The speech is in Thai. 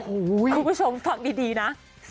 คุณผู้ชมฟังดีนะ